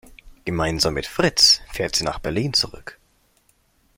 Gemeinsam mit Fritz fährt sie nach Berlin zurück.